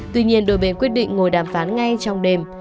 tuy nhiên đôi bên quyết định ngồi đàm phán ngay trong đêm